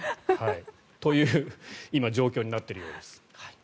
という、今状況になっているようです。